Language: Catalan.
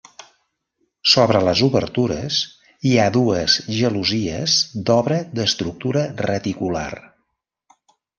Sobre les obertures hi ha dues gelosies d'obra d'estructura reticular.